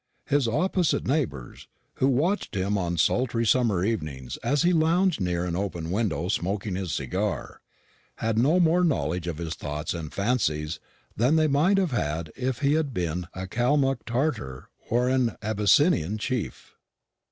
His opposite neighbours, who watched him on sultry summer evenings as he lounged near an open window smoking his cigar, had no more knowledge of his thoughts and fancies than they might have had if he had been a Calmuck Tartar or an Abyssinian chief.